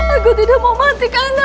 aku tidak mau mati karena